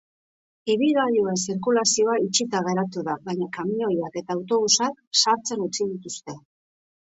Ibilgailuen zirkulazioa itxita geratu da, baina kamioiak eta autobusak sartzen utzi dituzte.